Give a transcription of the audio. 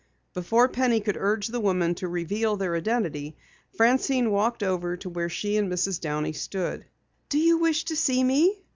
Before Penny could urge the woman to reveal their identity, Francine walked over to where she and Mrs. Downey stood. "Did you wish to see me?"